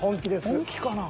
本気かなぁ。